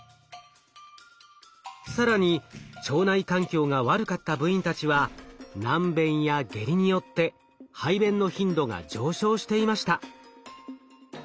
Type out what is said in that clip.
更に腸内環境が悪かった部員たちは軟便や下痢によって排便の頻度が上昇していました。